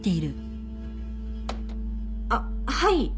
あっはい。